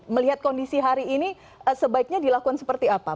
melihat kondisi hari ini sebaiknya dilakukan seperti apa